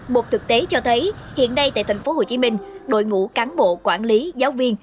một thực tế cho thấy hiện nay tại thành phố hồ chí minh đội ngũ cán bộ quản lý giáo viên